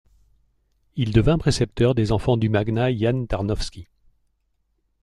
Il devint précepteur des enfants du magnat Jan Tarnowski.